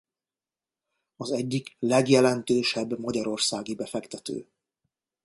Az egyik legjelentősebb magyarországi befektető.